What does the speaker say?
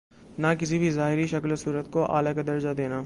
کہ کسی بھی ظاہری شکل و صورت کو الہٰ کا درجہ دینا